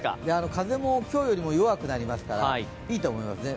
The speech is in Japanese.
風も今日よりも弱くなりますからいいと思いますね。